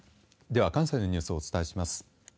では関西のニュースをお伝えします。